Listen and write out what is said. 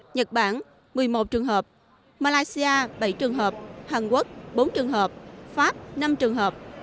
nhật bản một mươi một trường hợp malaysia bảy trường hợp hàn quốc bốn trường hợp pháp năm trường hợp